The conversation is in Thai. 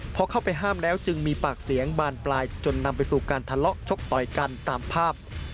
พอเข้าไปห้ามแล้วจึงมีปากเสียงบานปลายจนนำไปสู่การทะเลาะชกต่อยกันตามภาพ